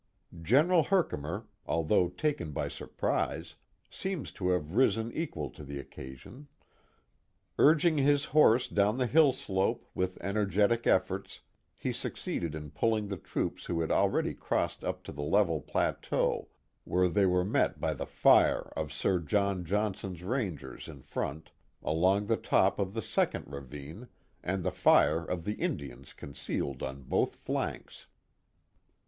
General Herkimer, although taken by surprise, seems to have risen equal to the occasion. Urging his horse down the hill slope, with energetic efforts he succeeded in pulling the troops who had already crossed up to the level plateau where they were met by the fire of Sir John Johnson's Rangers in front, along the top of the second ravine, and the fire of the Indians concealed on both flanks.